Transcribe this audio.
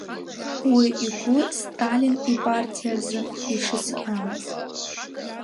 Уи игәы Сталин ипартиазы ишыцқьамыз.